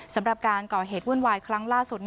สำหรับการก่อเหตุวุ่นวายครั้งล่าสุด